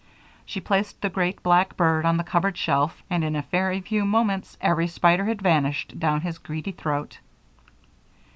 She placed the great, black bird on the cupboard shelf and in a very few moments every spider had vanished down his greedy throat.